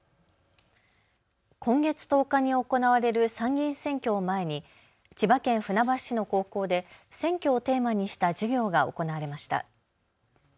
今月１０日に行われる参議院選挙を前に千葉県船橋市の高校で選挙をテーマにした授業が行われました。